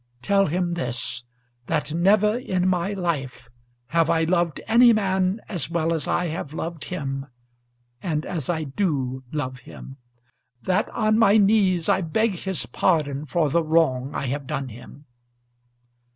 Tell him this, that never in my life have I loved any man as well as I have loved him and as I do love him. That on my knees I beg his pardon for the wrong I have done him."